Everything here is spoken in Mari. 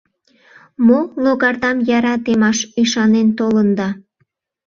— Мо, логардам яра темаш ӱшанен толында?